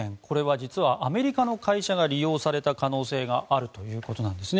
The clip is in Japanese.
実は、アメリカの会社が利用された可能性があるということなんですね。